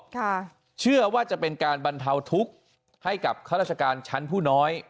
ค่ะเชื่อว่าจะเป็นการบรรเทาทุกข์ให้กับข้าราชการชั้นผู้น้อย